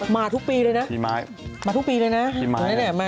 มาทุกปีเลยนะมาทุกปีเลยนะ